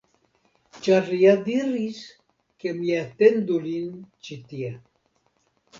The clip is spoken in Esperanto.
Ĉar li ja diris, ke mi atendu lin ĉi tie.